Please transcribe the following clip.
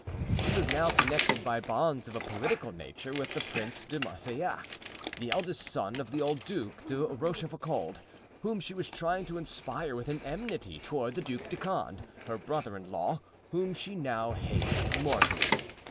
She was now connected by bonds of a political nature with the Prince de Marsillac, the eldest son of the old Duc de Rochefoucauld, whom she was trying to inspire with an enmity toward the Duc de Condé, her brother in law, whom she now hated mortally.